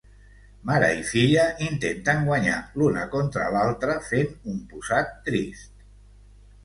Mare i filla intenten guanyar l'una contra l'altre fent un posat trist.